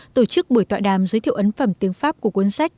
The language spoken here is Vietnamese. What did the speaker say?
tổ chức buổi tọa đàm giới thiệu ấn phẩm tiếng pháp của cuốn sách